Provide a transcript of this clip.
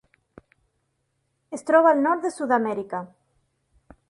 Es troba al nord de Sud-amèrica.